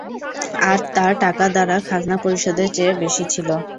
আর তা টাকা দ্বারা খাজনা পরিশোধের চেয়ে বেশি ছিল।